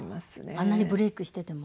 あんなにブレークしてても？